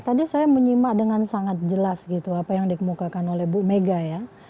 tadi saya menyimak dengan sangat jelas gitu apa yang dikemukakan oleh bu mega ya